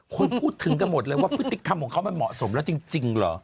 คนพูดถึงกันหมดเลยว่าพฤติกรรมของเขามันเหมาะสมแล้วจริงเหรอ